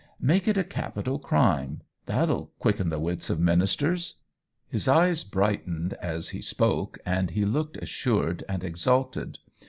Make it a capital crime — that'll quicken the wits of minis ters !" His eyes brightened as he spoke, and he looked assured and exalted.